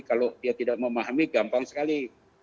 kalau dia tidak memahami gampang sekali